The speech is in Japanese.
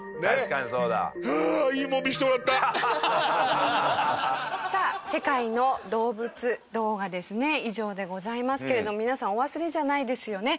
下平：世界の動物動画ですね以上でございますけれども皆さんお忘れじゃないですよね？